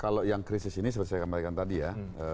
kalau yang krisis ini seperti saya sampaikan tadi ya